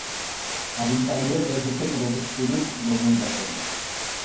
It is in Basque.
Agintariek ez dute produkturik gomendatzen.